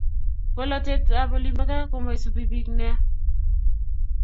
Polatet ab olin bo gaa koma subi bik nea